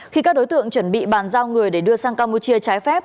khi các đối tượng chuẩn bị bàn giao người để đưa sang campuchia trái phép